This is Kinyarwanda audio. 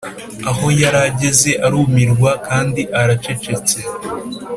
aho yari ahagaze arumirwa kandi aracecetse.